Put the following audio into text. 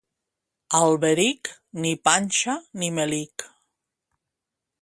Alberic, ni panxa ni melic.